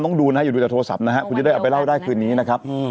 คุณจะออกไปเล่าได้คืนนี้นะครับ